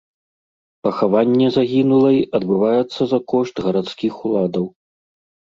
Пахаванне загінулай адбываецца за кошт гарадскіх уладаў.